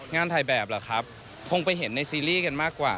งานถ่ายแบบเหรอครับคงไปเห็นในซีรีส์กันมากกว่า